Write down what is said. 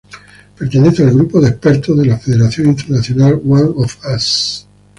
Pertenece al "Grupo de Expertos" de la Federación Internacional One Of Us.